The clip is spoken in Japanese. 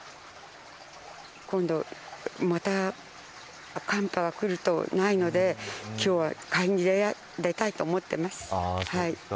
また寒波がくるとないので今日は買い物に出たいと思います。